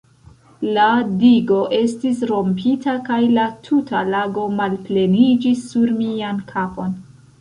La digo estis rompita, kaj la tuta lago malpleniĝis sur mian kapon.